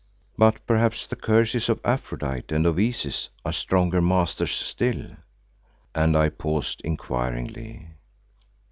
But perhaps the curses of Aphrodite and of Isis are stronger masters still?" and I paused inquiringly.